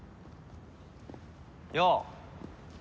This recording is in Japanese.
よう。